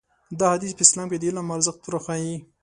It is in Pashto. دا حديث په اسلام کې د علم ارزښت راښيي.